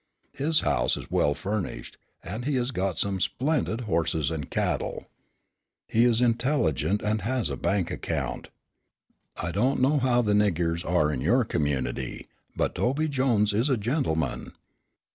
His house is well furnished, and he has got some splendid horses and cattle. He is intelligent and has a bank account. I don't know how the 'niggers' are in your community, but Tobe Jones is a gentleman.